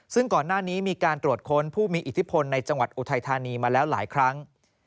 ซึ่งก่อนหน้านี้มีการตรวจค้นผู้มีอิทธิพลในจังหวัดอุทัยธานีมาแล้วหลายครั้ง